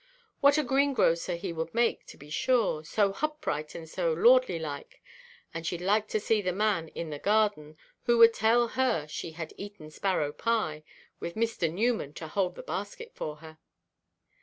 What a greengrocer he would make, to be sure, so hupright and so lordly like; and sheʼd like to see the man in the "Garden" who would tell her she had eaten sparrow–pie, with Mr. Newman to hold the basket for her.